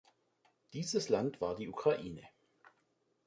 Dieses Land war die Ukraine.